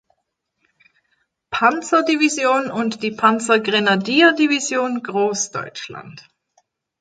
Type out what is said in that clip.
Panzerdivision und die Panzergrenadierdivision Großdeutschland.